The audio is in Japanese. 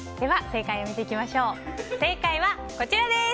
正解はこちらです！